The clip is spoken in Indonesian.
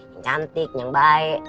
yang cantik yang baik